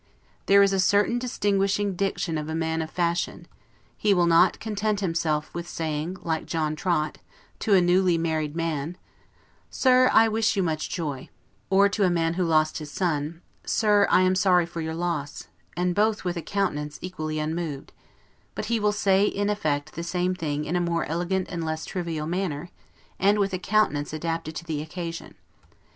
There is a certain distinguishing diction of a man of fashion; he will not content himself with saying, like John Trott, to a new married man, Sir, I wish you much joy; or to a man who lost his son, Sir, I am sorry for your loss; and both with a countenance equally unmoved; but he will say in effect the same thing in a more elegant and less trivial manner, and with a countenance adapted to the occasion.